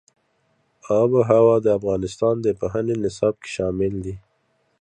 آب وهوا د افغانستان د پوهنې نصاب کې شامل دي.